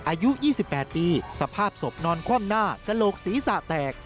อายุ๒๘ปีสภาพศพนอนคว่ำหน้ากระโหลกศีรษะแตก